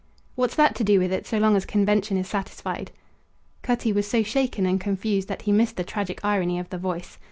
"What's that to do with it so long as convention is satisfied?" Cutty was so shaken and confused that he missed the tragic irony of the voice.